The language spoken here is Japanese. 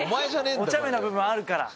おちゃめな部分あるから。